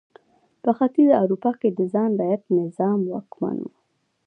په ختیځه اروپا کې د خان رعیت نظام واکمن و.